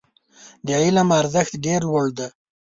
د علم ارزښت ډېر لوړ دی.